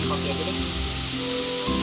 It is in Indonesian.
akhirnya sebagai delete